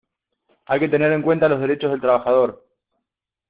Hay que tener en cuenta los derechos del trabajador.